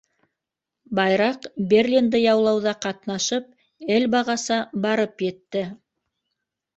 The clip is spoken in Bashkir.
Байраҡ Берлинды яулауҙа ҡатнашып, Эльбағаса барып етте.